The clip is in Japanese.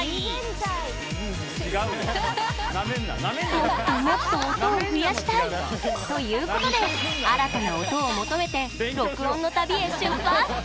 もっともっと音を増やしたい！ということで、新たな音を求めて録音の旅へ出発！